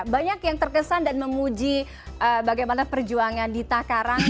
banyak yang terkesan dan memuji bagaimana perjuangan dita karang